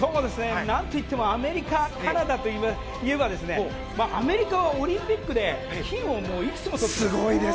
何といってもアメリカ、カナダといえばアメリカはオリンピックで金をいくつもとってます。